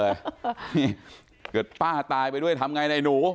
นี่เกิดป้าตายไปด้วยทำไงไหนหนู